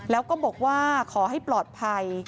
แล้วก็บอกว่าขอให้ปลอดภัย